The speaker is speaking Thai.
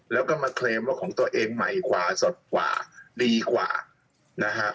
แล้วก็มาเคลมรถของตัวเองใหม่กว่าสดกว่าดีกว่านะฮะ